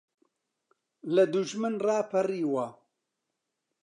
لە دوژمن ڕاپەڕیوە